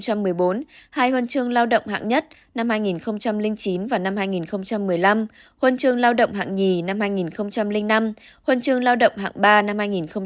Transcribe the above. hai huân chương lao động hạng nhất năm hai nghìn chín và năm hai nghìn một mươi năm huân chương lao động hạng nhì năm hai nghìn năm huân chương lao động hạng ba năm hai nghìn một mươi tám